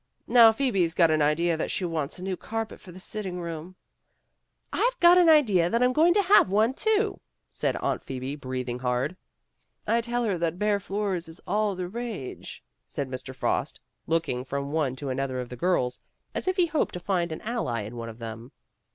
Now Phoebe's got an idea that she wants a new carpet for the sitting room " A TRIUMPH OF ART 49 " I've got an idea that I 'm going to have one, too," said Aunt Phoebe, breathing hard. "I tell her that bare floors is all the rage," said Mr. Frost, looking from one to another of the girls, as if he hoped to find an ally in one of them.